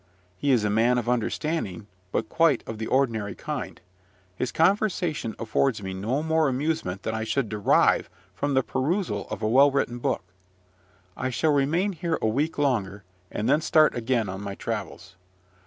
He is a man of understanding, but quite of the ordinary kind. His conversation affords me no more amusement than I should derive from the perusal of a well written book. I shall remain here a week longer, and then start again on my travels.